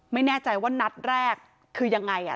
ไม่แน่ใจว่านัดแรกคือยังไงอ่ะ